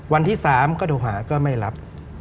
วันที่๓ก็โทรหาก็ไม่รับ